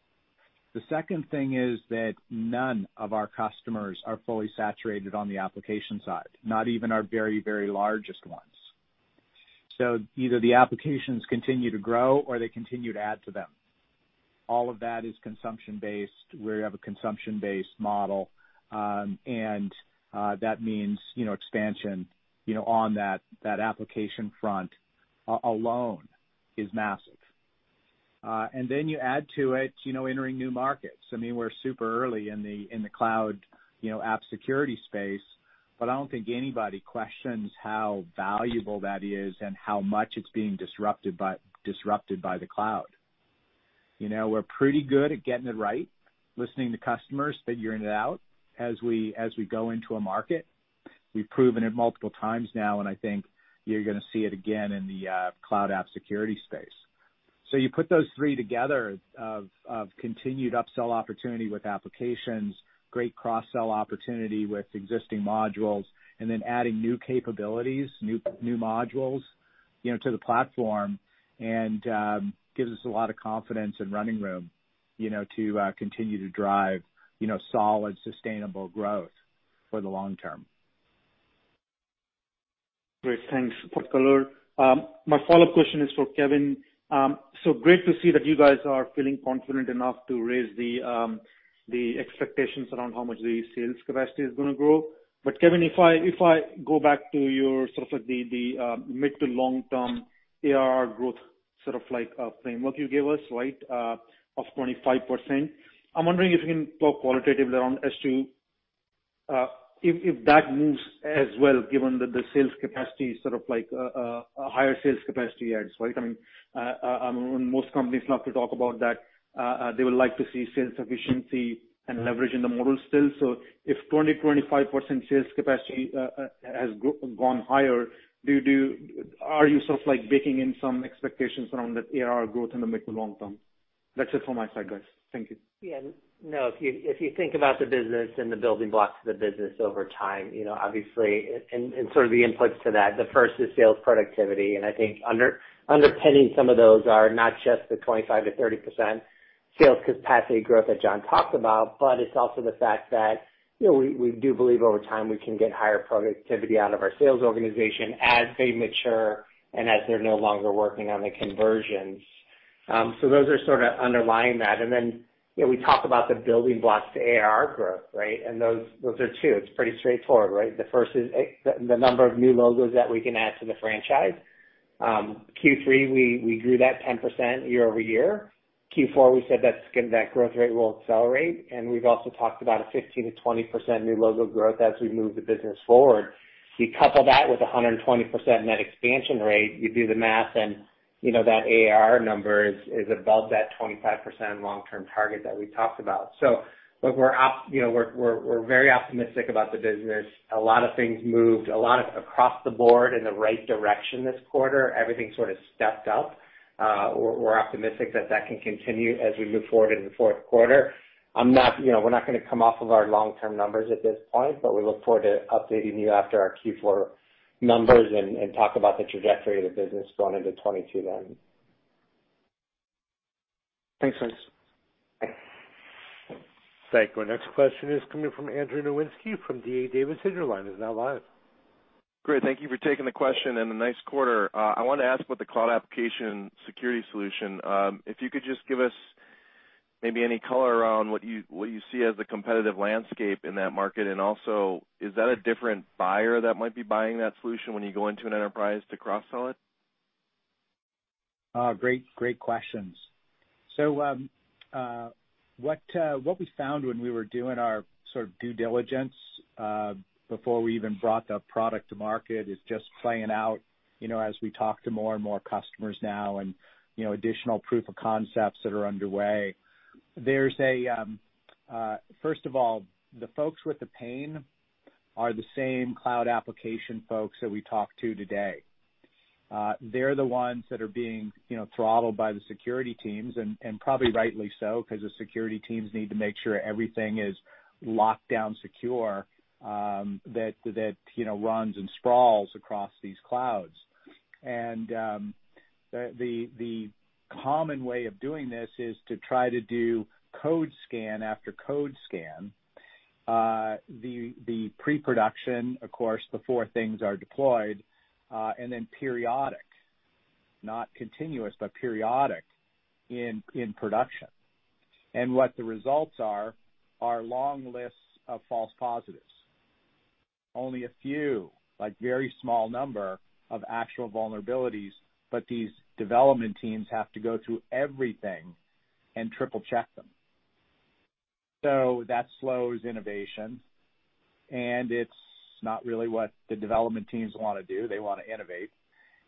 The second thing is that none of our customers are fully saturated on the application side, not even our very largest ones. Either the applications continue to grow or they continue to add to them. All of that is consumption-based, where you have a consumption-based model. That means expansion on that application front alone is massive. Then you add to it entering new markets. We're super early in the cloud app security space, but I don't think anybody questions how valuable that is and how much it's being disrupted by the Cloud. We're pretty good at getting it right, listening to customers, figuring it out as we go into a market. We've proven it multiple times now, and I think you're going to see it again in the Cloud App Security space. You put those three together of continued upsell opportunity with applications, great cross-sell opportunity with existing modules, and then adding new capabilities, new modules to the platform, and gives us a lot of confidence and running room to continue to drive solid, sustainable growth for the long term. Great. Thanks. Good color. My follow-up question is for Kevin. Great to see that you guys are feeling confident enough to raise the expectations around how much the sales capacity is going to grow. Kevin, if I go back to your mid to long-term ARR growth framework you gave us of 25%, I'm wondering if you can talk qualitatively around S2, if that moves as well, given that the sales capacity is a higher sales capacity adds. Most companies love to talk about that. They would like to see sales efficiency and leverage in the model still. If 25% sales capacity has gone higher, are you baking in some expectations around that ARR growth in the mid to long term? That's it from my side, guys. Thank you. Yeah, no, if you think about the business and the building blocks of the business over time, obviously, and the inputs to that, the first is sales productivity. I think underpinning some of those are not just the 25%-30% sales capacity growth that John talked about, but it's also the fact that we do believe over time, we can get higher productivity out of our sales organization as they mature and as they're no longer working on the conversions. Those are underlying that. We talk about the building blocks to ARR growth. Those are two. It's pretty straightforward. The first is the number of new logos that we can add to the franchise. Q3, we grew that 10% year-over-year. Q4, we said that growth rate will accelerate, and we've also talked about a 15%-20% new logo growth as we move the business forward. You couple that with 120% net expansion rate, you do the math and that ARR number is above that 25% long-term target that we talked about. Look, we're very optimistic about the business. A lot of things moved across the board in the right direction this quarter. Everything stepped up. We're optimistic that that can continue as we move forward into the fourth quarter. We're not going to come off of our long-term numbers at this point, but we look forward to updating you after our Q4 numbers and talk about the trajectory of the business going into 2022 then. Thanks. Thanks. Thank you. Our next question is coming from Andrew Nowinski from D.A. Davidson. Your line is now live. Great. Thank you for taking the question, and a nice quarter. I want to ask about the cloud application security solution. If you could just give us any color around what you see as the competitive landscape in that market, and also is that a different buyer that might be buying that solution when you go into an enterprise to cross-sell it? Great questions. What we found when we were doing our due diligence, before we even brought the product to market, is just playing out, as we talk to more and more customers now and additional proof of concepts that are underway. First of all, the folks with the pain are the same cloud application folks that we talk to today. They're the ones that are being throttled by the security teams, and probably rightly so, because the security teams need to make sure everything is locked down secure that runs and sprawls across these clouds. The common way of doing this is to try to do code scan after code scan. The pre-production, of course, before things are deployed, and then periodic, not continuous, but periodic in production. What the results are long lists of false positives. Only a few, like very small number of actual vulnerabilities, these development teams have to go through everything and triple-check them. That slows innovation, it's not really what the development teams want to do. They want to innovate.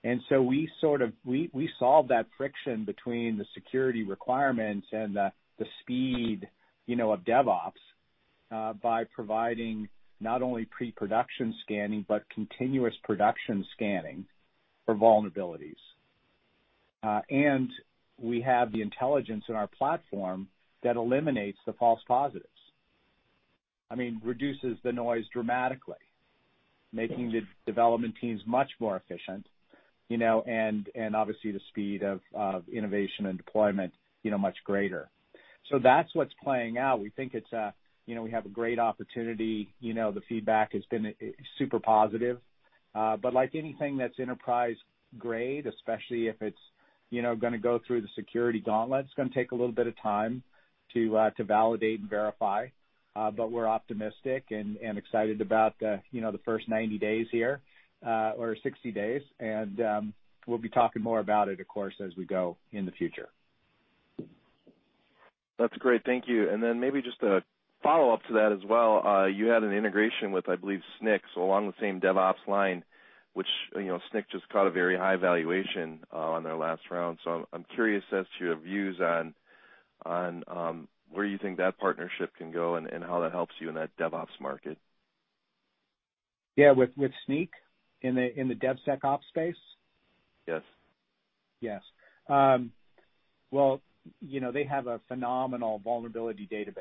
We solve that friction between the security requirements and the speed of DevOps, by providing not only pre-production scanning, but continuous production scanning for vulnerabilities. We have the intelligence in our platform that eliminates the false positives. I mean, reduces the noise dramatically, making the development teams much more efficient, obviously the speed of innovation and deployment much greater. That's what's playing out. We think we have a great opportunity. The feedback has been super positive. Like anything that's enterprise-grade, especially if it's going to go through the security gauntlet, it's going to take a little bit of time to validate and verify. We're optimistic and excited about the first 90 days here, or 60 days. We'll be talking more about it, of course, as we go in the future. That's great. Thank you. Then maybe just a follow-up to that as well. You had an integration with, I believe, Snyk, so along the same DevOps line, which Snyk just got a very high valuation on their last round. I'm curious as to your views on where you think that partnership can go and how that helps you in that DevOps market. Yeah. With Snyk in the DevSecOps space? Yes. Yes. Well, they have a phenomenal vulnerability database.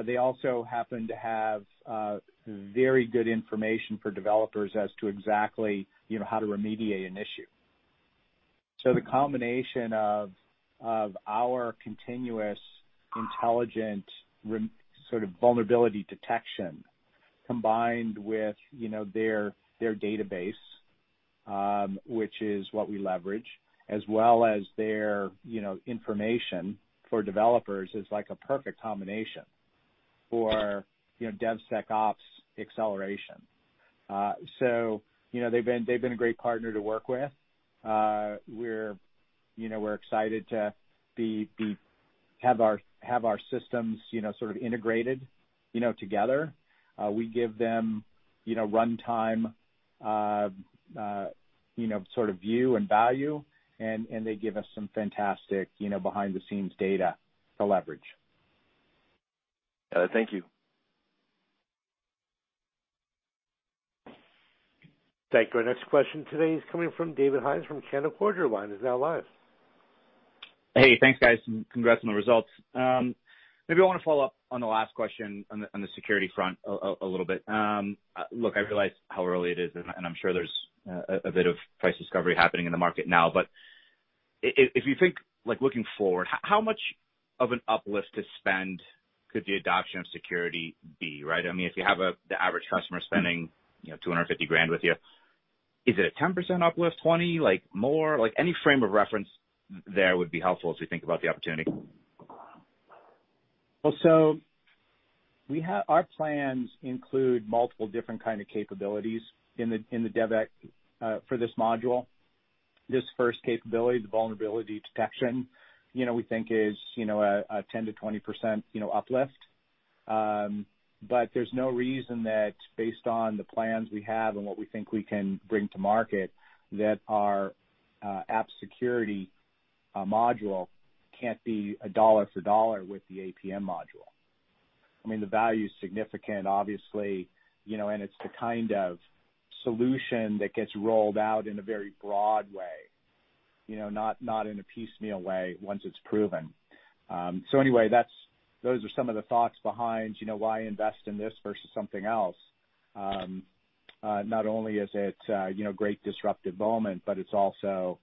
They also happen to have very good information for developers as to exactly how to remediate an issue. The combination of our continuous intelligent vulnerability detection combined with their database, which is what we leverage, as well as their information for developers is like a perfect combination for DevSecOps acceleration. They've been a great partner to work with. We're excited to have our systems integrated together. We give them runtime view and value, and they give us some fantastic behind-the-scenes data to leverage. Thank you. Thank you. Our next question today is coming from David Hynes from Canaccord Genuity. Hey, thanks, guys, and congrats on the results. Maybe I want to follow up on the last question on the security front a little bit. Look, I realize how early it is, and I'm sure there's a bit of price discovery happening in the market now. If you think looking forward, how much of an uplift to spend could the adoption of security be, right? I mean, if you have the average customer spending $250,000 with you, is it a 10% uplift, 20%, more? Any frame of reference there would be helpful as we think about the opportunity. Our plans include multiple different kind of capabilities in the DevEx for this module. This first capability, the vulnerability detection, we think is a 10%-20% uplift. There's no reason that based on the plans we have and what we think we can bring to market, that our app security module can't be a dollar for dollar with the APM module. I mean, the value is significant, obviously, and it's the kind of solution that gets rolled out in a very broad way, not in a piecemeal way once it's proven. Those are some of the thoughts behind why invest in this versus something else. Not only is it a great disruptive moment, but it's also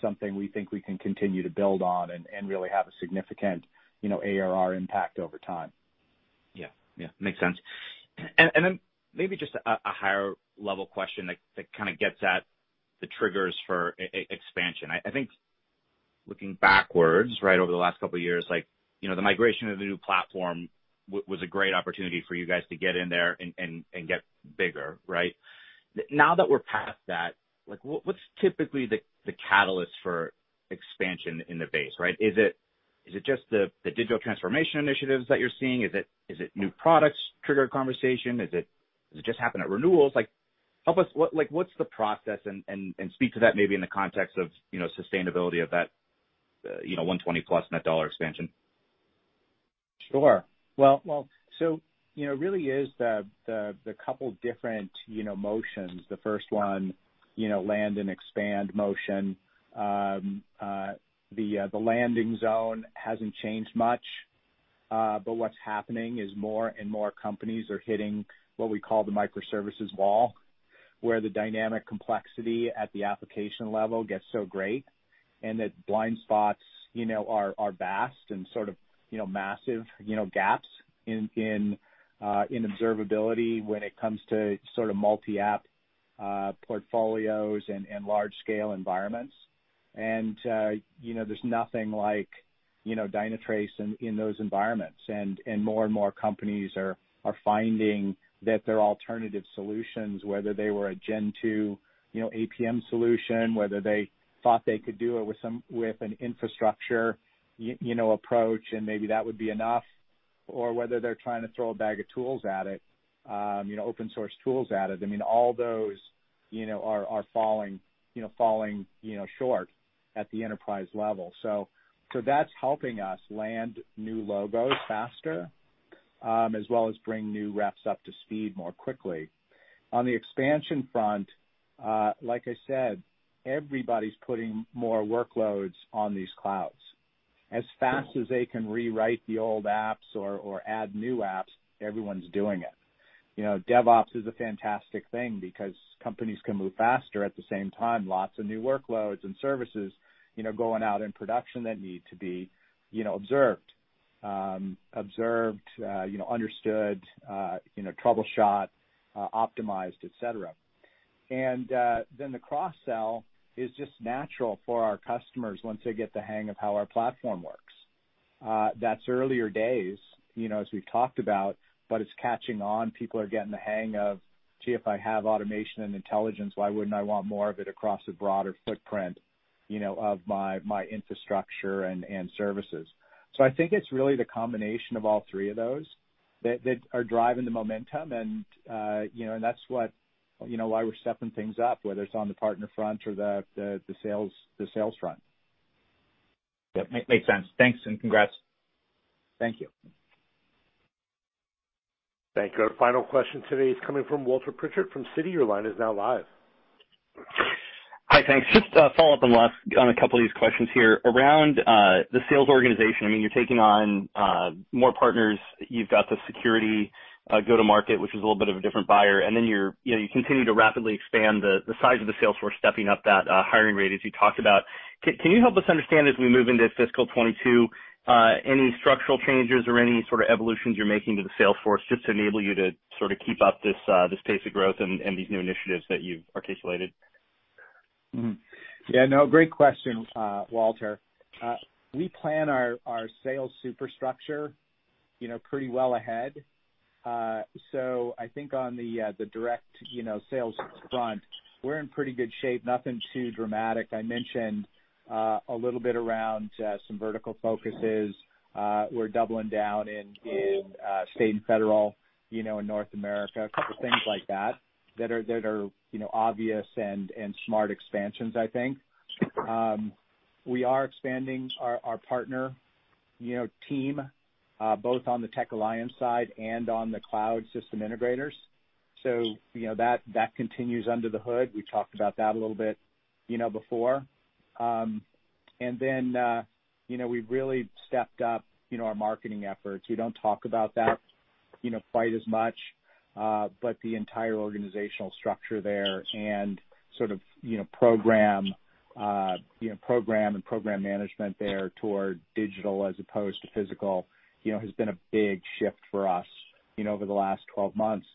something we think we can continue to build on and really have a significant ARR impact over time. Yeah. Makes sense. Maybe just a higher-level question that kind of gets at the triggers for expansion. I think looking backwards, right over the last couple of years, the migration of the new platform was a great opportunity for you guys to get in there and get bigger, right? Now that we're past that, what's typically the catalyst for expansion in the base? Is it just the digital transformation initiatives that you're seeing? Is it new products trigger a conversation? Does it just happen at renewals? Help us, what's the process, and speak to that maybe in the context of sustainability of that 120%+ Net Dollar Expansion. Well, really is the couple different motions. The first one, land and expand motion. The landing zone hasn't changed much. What's happening is more and more companies are hitting what we call the microservices wall, where the dynamic complexity at the application level gets so great, and that blind spots are vast and sort of massive gaps in observability when it comes to sort of multi-app portfolios and large scale environments. There's nothing like Dynatrace in those environments. More and more companies are finding that their alternative solutions, whether they were a Gen 2 APM solution, whether they thought they could do it with an infrastructure approach, and maybe that would be enough, or whether they're trying to throw a bag of tools at it, open source tools at it. I mean, all those are falling short at the enterprise level. That's helping us land new logos faster, as well as bring new reps up to speed more quickly. On the expansion front, like I said, everybody's putting more workloads on these clouds. As fast as they can rewrite the old apps or add new apps, everyone's doing it. DevOps is a fantastic thing because companies can move faster at the same time. Lots of new workloads and services going out in production that need to be observed. Observed, understood, troubleshot, optimized, et cetera. The cross-sell is just natural for our customers once they get the hang of how our platform works. That's earlier days, as we've talked about, but it's catching on. People are getting the hang of, "Gee, if I have automation and intelligence, why wouldn't I want more of it across a broader footprint of my infrastructure and services?" I think it's really the combination of all three of those that are driving the momentum, and that's why we're stepping things up, whether it's on the partner front or the sales front. Yep, makes sense. Thanks, and congrats. Thank you. Thank you. Our final question today is coming from Walter Pritchard from Citi. Hi, thanks. Just a follow-up on the last, on a couple of these questions here around the sales organization. I mean, you're taking on more partners. You've got the security go to market, which is a little bit of a different buyer, and then you continue to rapidly expand the size of the sales force, stepping up that hiring rate as you talked about. Can you help us understand as we move into FY 2022, any structural changes or any sort of evolutions you're making to the sales force just to enable you to sort of keep up this pace of growth and these new initiatives that you've articulated? No, great question, Walter. We plan our sales superstructure pretty well ahead. I think on the direct sales front, we're in pretty good shape. Nothing too dramatic. I mentioned a little bit around some vertical focuses. We're doubling down in state and federal in North America. A couple things like that are obvious and smart expansions, I think. We are expanding our partner team, both on the tech alliance side and on the cloud system integrators. That continues under the hood. We talked about that a little bit before. We've really stepped up our marketing efforts. We don't talk about that quite as much. The entire organizational structure there and sort of program and program management there toward digital as opposed to physical has been a big shift for us over the last 12 months.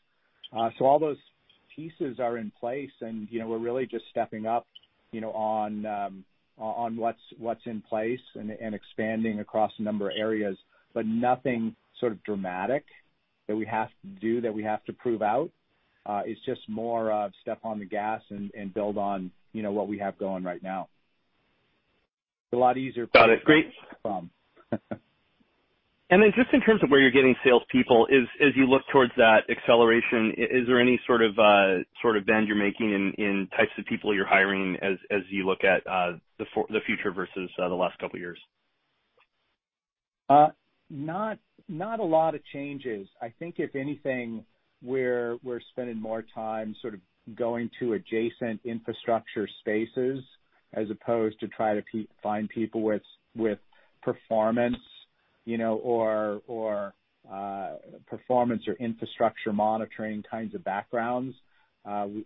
All those pieces are in place, and we're really just stepping up on what's in place and expanding across a number of areas, but nothing sort of dramatic that we have to do, that we have to prove out. It's just more of step on the gas and build on what we have going right now. Got it. Great. Just in terms of where you're getting salespeople, as you look towards that acceleration, is there any sort of bend you're making in types of people you're hiring as you look at the future versus the last couple of years? Not a lot of changes. I think, if anything, we're spending more time sort of going to adjacent infrastructure spaces as opposed to try to find people with performance or infrastructure monitoring kinds of backgrounds.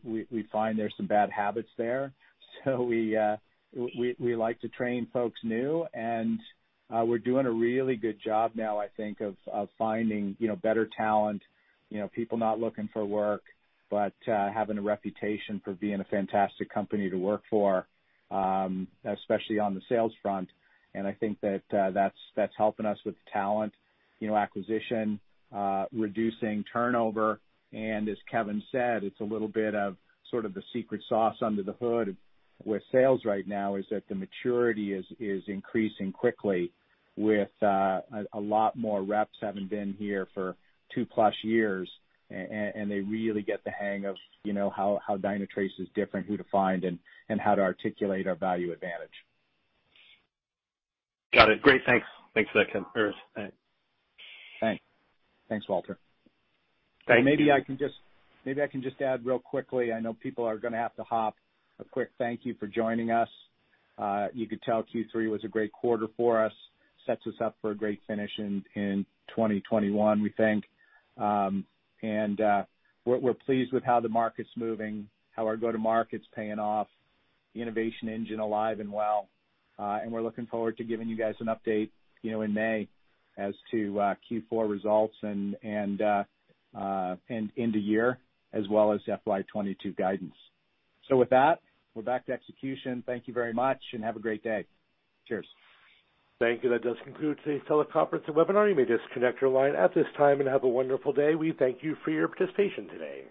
We find there's some bad habits there. We like to train folks new. We're doing a really good job now, I think, of finding better talent, people not looking for work, but having a reputation for being a fantastic company to work for, especially on the sales front. I think that that's helping us with talent acquisition, reducing turnover. As Kevin said, it's a little bit of sort of the secret sauce under the hood with sales right now is that the maturity is increasing quickly with a lot more reps having been here for two-plus years, and they really get the hang of how Dynatrace is different, who to find, and how to articulate our value advantage. Got it. Great. Thanks. Thanks for that, Kevin. Thanks. Thanks, Walter. Thank you. Maybe I can just add real quickly. I know people are going to have to hop. A quick thank you for joining us. You could tell Q3 was a great quarter for us. Sets us up for a great finish in 2021, we think. We're pleased with how the market's moving, how our go-to-market's paying off, the innovation engine alive and well. We're looking forward to giving you guys an update in May as to Q4 results and end-of-year, as well as FY 2022 guidance. With that, we're back to execution. Thank you very much, and have a great day. Cheers. Thank you. That does conclude today's teleconference and webinar. You may disconnect your line at this time, and have a wonderful day. We thank you for your participation today.